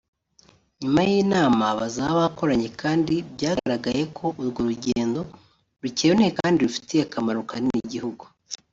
nyuma y'inama bazaba bakoranye kandi byagaragaye ko urwo rugendo rukenewe kandi ko rufitiye akamaro kanini igihugu